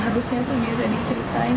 seharusnya itu biasa diceritain